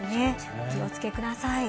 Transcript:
お気をつけください。